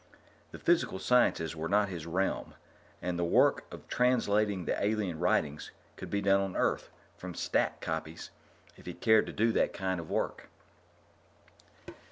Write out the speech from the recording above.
The physical sciences were not his realm, and the work of translating the alien writings could be done on Earth, from 'stat copies, if he'd cared to do that kind of work.